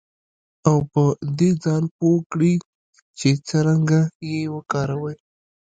او په دې ځان پوه کړئ چې څرنګه یې وکاروئ